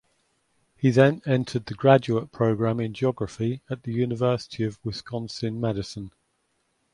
He then entered the graduate program in geography at the University of Wisconsin–Madison.